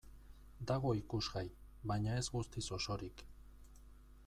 Dago ikusgai, baina ez guztiz osorik.